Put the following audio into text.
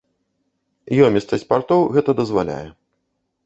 Ёмістасць партоў гэта дазваляе.